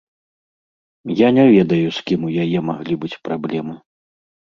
Я не ведаю, з кім у яе маглі быць праблемы.